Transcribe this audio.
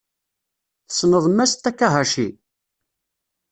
Tessneḍ Mass Takahashi?